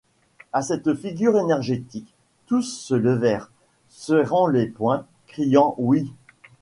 A cette figure énergique, tous se levèrent, serrant les poings, criant : Oui !